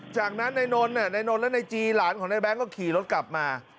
จากนั้นนายนนท์นายนนท์และนายจีหลานของนายแบงค์ก็ขี่รถกลับมา